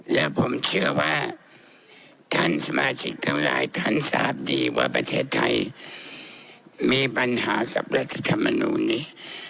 และผมเชื่อว่าท่านสมาชิกทั้งหลายท่านทราบดีว่าประเทศไทยมีปัญหากับรัฐธรรมนูลนี้